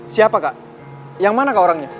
siapa kak yang mana kak orangnya